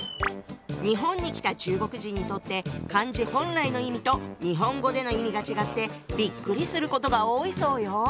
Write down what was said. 日本に来た中国人にとって漢字本来の意味と日本語での意味が違ってびっくりすることが多いそうよ。